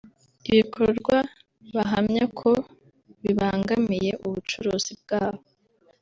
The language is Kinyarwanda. ibikorwa bahamya ko bibangamiye ubucuruzi bwabo